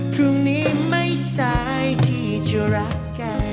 พรุ่งนี้ไม่สายที่จะรักกัน